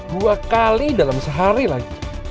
dua kali dalam sehari lagi